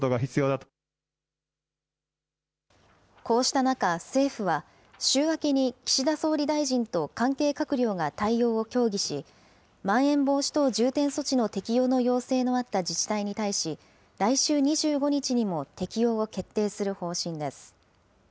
こうした中、政府は週明けに岸田総理大臣と関係閣僚が対応を協議し、まん延防止等重点措置の適用の要請のあった自治体に対し、来週２５日にも適用を決定する方針です。